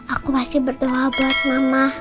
aku pasti berdoa buat mama